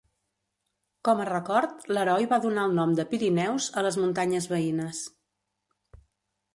Com a record, l'heroi va donar el nom de Pirineus, a les muntanyes veïnes.